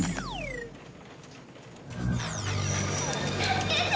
助けて！